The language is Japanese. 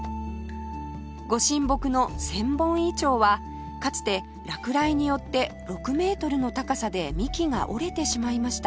御神木の千本公孫樹はかつて落雷によって６メートルの高さで幹が折れてしまいました